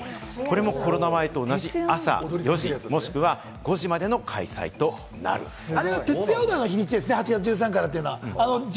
これもコロナ前と同じ朝４時、もしくは５時までの開催となります。